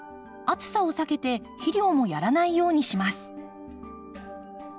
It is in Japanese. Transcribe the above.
暑さを避けて肥料もやらないようにします。